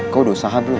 kau udah usaha belum